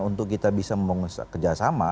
untuk kita bisa bekerja sama